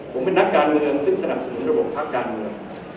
ผมเป็นนักการเมืองซึ่งสนับสนุนระบบพักการเมือง